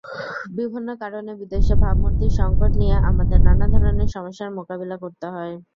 বিভিন্ন কারণে বিদেশে ভাবমূর্তির সংকট নিয়ে আমাদের নানা ধরনের সমস্যার মোকাবিলা করতে হয়।